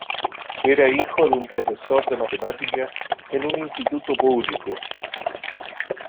Era hijo de un profesor de matemáticas en un instituto público.